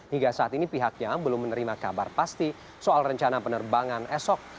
hingga saat ini pihaknya belum menerima kabar pasti soal rencana penerbangan esok